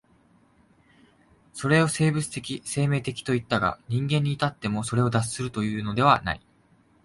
それを生物的生命的といったが、人間に至ってもそれを脱するというのではない。